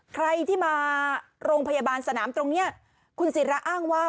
ใครที่มาโรงพยาบาลสนามตรงนี้คุณศิราอ้างว่า